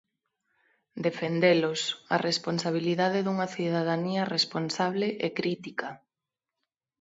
Defendelos, a responsabilidade dunha cidadanía responsable e crítica.